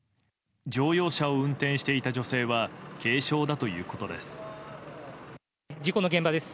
乗用車を運転していた女性は軽傷だということです。